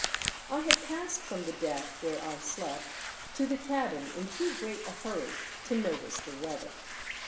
I HAD passed from the deck, where I slept, to the cabin in too great a hurry to notice the weather.